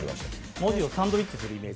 文字をサンドイッチするイメージ。